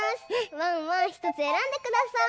ワンワンひとつえらんでください。